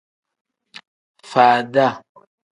Faada.